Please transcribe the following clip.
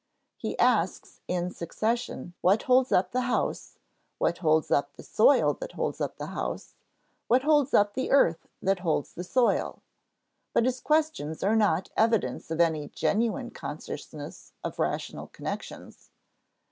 He asks in succession what holds up the house, what holds up the soil that holds the house, what holds up the earth that holds the soil; but his questions are not evidence of any genuine consciousness of rational connections.